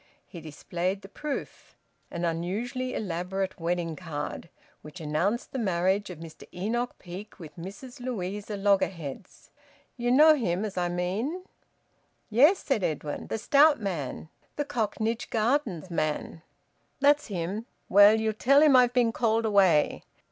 He displayed the proof an unusually elaborate wedding card, which announced the marriage of Mr Enoch Peake with Mrs Louisa Loggerheads. "Ye know him as I mean?" "Yes," said Edwin, "The stout man. The Cocknage Gardens man." "That's him. Well ye'll tell him I've been called away.